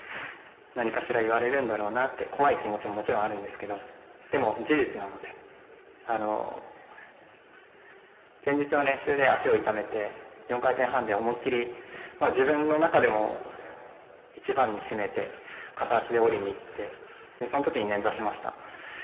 何かしら言われるんだろうなと、怖い気持ちももちろんあるんですけど、でも事実なので前日の練習で足を痛めて４回転半で思い切り自分の中でもいちばんに片足で降りてそのときにねんざしました。